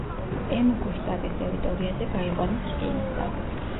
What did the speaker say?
ენუგუს შტატის ტერიტორიაზე გაიყვანეს რკინიგზა.